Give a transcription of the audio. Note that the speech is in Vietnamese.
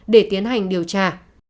để tiến hành điều tra